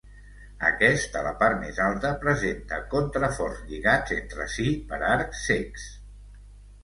Aquest, a la part més alta, presenta contraforts lligats entre si per arcs cecs.